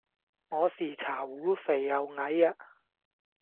我是茶壺肥又矮呀